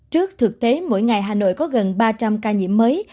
trước thực tế mỗi ngày hà nội có gần ba trăm linh ca nhiễm mới